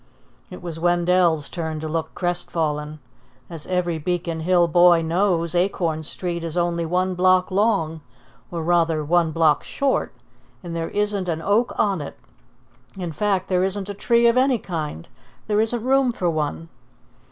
It was Wendell's turn to look crestfallen. As every Beacon Hill boy knows, Acorn Street is only one block long, or rather one block short, and there isn't an oak on it. In fact, there isn't a tree of any kind: there isn't room for one.